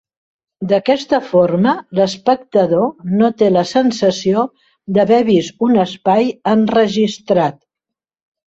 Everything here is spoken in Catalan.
D'aquesta forma, l'espectador no té la sensació d'haver vist un espai enregistrat.